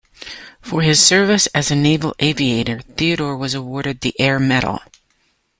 For his service as a naval aviator, Theodore was awarded the Air Medal.